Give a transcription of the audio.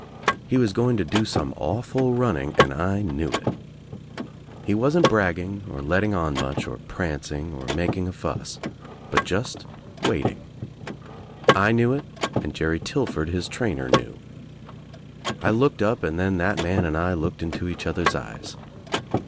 He was going to do some awful running and 1 knew it. He ■^asn't bragging or letting on much or prancing or mak ing a fuss, but just waiting, I knew it and Jerry Till Yord his trainer knew. I looked up and then that man and I looked into each other's eyes.